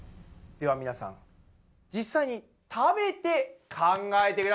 では皆さん実際に食べて考えてください！